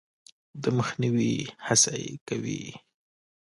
د مخنیوي هڅه یې کوي.